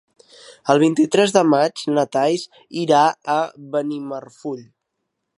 El vint-i-tres de maig na Thaís irà a Benimarfull.